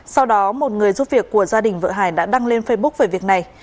sau đó một người giúp việc của gia đình vợ hải đã đăng lên facebook về việc này